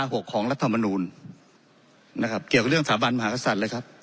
ยกเลิกมาตรา๖ของรัฐธรรมนูนนะครับเกี่ยวกับเรื่องสถาบันมหาศัตริย์เลยครับ